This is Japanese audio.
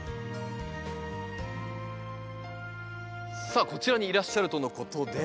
さあこちらにいらっしゃるとのことで。